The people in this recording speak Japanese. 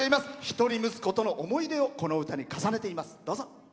一人息子との思い出をこの歌に重ねています。